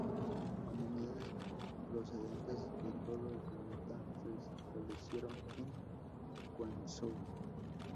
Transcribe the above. Comunidades procedentes de todo el planeta se establecieron en Quanzhou.